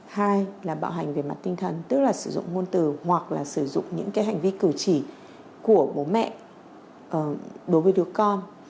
hai là bạo hành về mặt tinh thần tức là sử dụng ngôn từ hoặc là sử dụng những hành vi cử chỉ của bố mẹ đối với đứa con